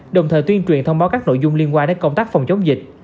đồng thời tuyên truyền thông báo các nội dung liên quan đến công tác phòng chống dịch